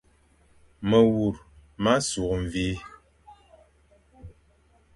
Mewur ma sukh mvi,